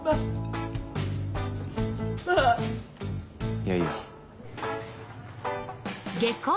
いやいや。